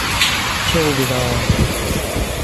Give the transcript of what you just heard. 勝負だー！